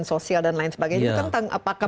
sosial dan lain sebagainya bukan tentang apakah